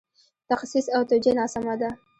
تخصیص او توجیه ناسمه ده.